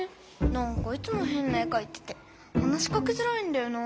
なんかいつもへんな絵かいてて話しかけづらいんだよな。